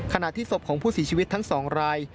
ขณะที่ศพของผู้เสียชีวิตทั้ง๒ราย